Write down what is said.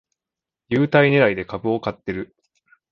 優待ねらいで株を買ってる